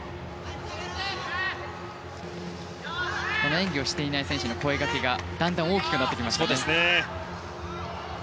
演技をしていない選手の声がけがだんだん大きくなってきましたね。